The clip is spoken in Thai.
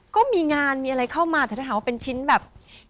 ก็มีงานมีอะไรเข้ามาแต่ถ้าถามว่าเป็นชิ้นแบบ